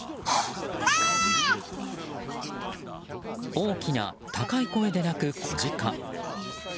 大きな高い声で鳴く子ジカ。